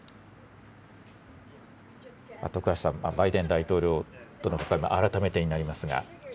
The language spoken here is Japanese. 徳橋さん、バイデン大統領、改めてになりますが。